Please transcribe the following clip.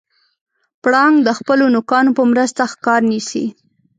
پړانګ د خپلو نوکانو په مرسته ښکار نیسي.